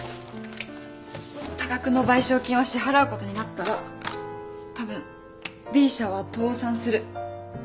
多額の賠償金を支払うことになったらたぶんＢ社は倒産する。